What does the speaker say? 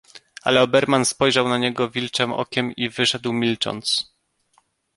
"Ale Oberman spojrzał na niego wilczem okiem i wyszedł, milcząc."